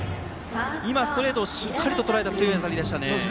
今、ストレートしっかりとらえた強い当たりでしたね。